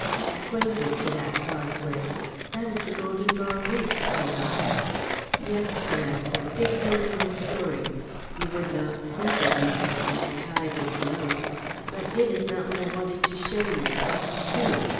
I pointed to that causeway. "That is the Golden Ball Reef," said I. "Yes," she answered, "Dick told you the story. You would not see the reef, but that the tide is low. But it is not that I wanted to show you. See!"